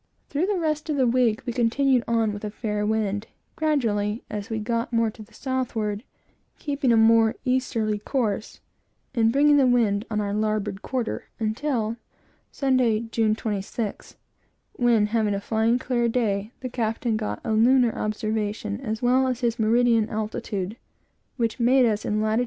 Through the rest of the week, we continued on with a fair wind, gradually, as we got more to the southward, keeping a more easterly course, and bringing the wind on our larboard quarter, until Sunday, June 26th, when, having a fine, clear day, the captain got a lunar observation, as well as his meridian altitude, which made us in lat.